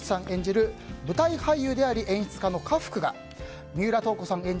演じる舞台俳優であり演出家の家福が三浦透子さん